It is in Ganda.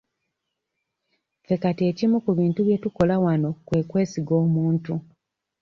Ffe kati ekimu ku bintu bye tukola wano kwe kwesiga omuntu.